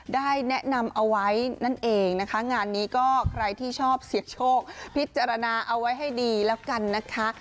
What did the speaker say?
ได้แนะนำเอาไว้นั่นเองนะคะงานนี้ก็ใครที่ชอบเสี่ยงโชคพิจารณาเอาไว้ให้ดีแล้วกันนะคะ